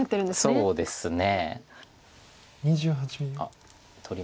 そうですね。